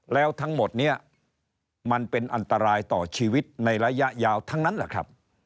แล้วทั้งหมดนี้มันเป็นอันตรายต่อชีวิตในระยะยาวทั้งนั้นแหละครับ